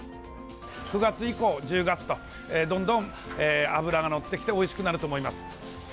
９月以降、１０月とどんどん脂がのってきておいしくなると思います。